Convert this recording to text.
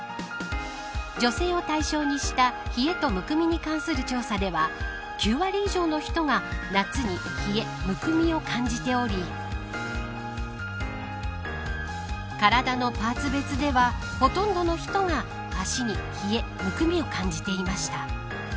女性を対象にした冷えとむくみに関する調査では９割以上の人が夏に冷え、むくみを感じており体のパーツ別ではほとんどの人が脚に冷えむくみを感じていました。